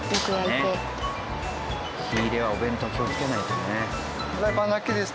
火入れはお弁当気をつけないとね。